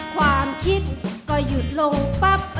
ความคิดก็หยุดลงปั๊บ